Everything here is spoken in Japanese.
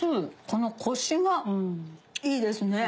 このコシがいいですね。